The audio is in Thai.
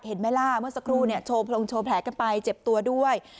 เห็นไหมล่ะเมื่อสักครู่โชว์พรงโชว์แผลกันไปเจ็บตัวด้วย